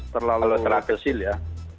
terlalu agresif ya